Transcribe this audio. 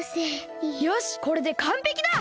よしこれでかんぺきだ！